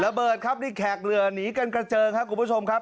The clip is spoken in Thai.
ระเบิดครับนี่แขกเรือหนีกันกระเจิงครับคุณผู้ชมครับ